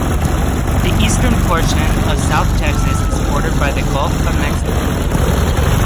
The eastern portion of South Texas is bordered by the Gulf of Mexico.